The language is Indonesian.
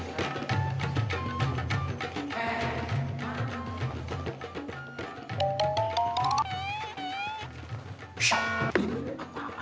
saya udah ada jualnya